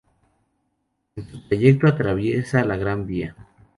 En su trayecto atraviesa la Gran Vía.